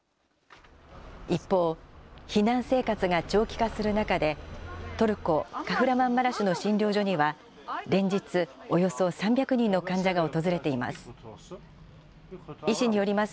一方、避難生活が長期化する中で、トルコ・カフラマンマラシュの診療所には、連日、およそ３００人の患者が訪れています。